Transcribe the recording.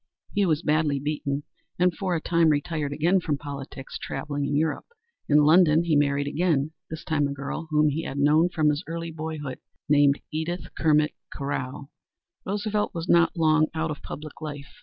He was badly beaten and for a time retired again from politics, traveling in Europe. In London he married again, this time a girl whom he had known from his early boyhood, named Edith Kermit Carow. Roosevelt was not long out of public life.